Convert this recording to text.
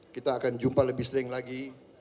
kita akan jumpa lebih sering lagi